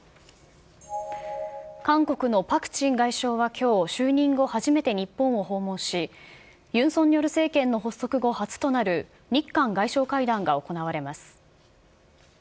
韓国のパク・チン外相はきょう、就任後初めて日本を訪問し、ユン・ソンニョル政権発足後、初となる日韓外相会談が行われます。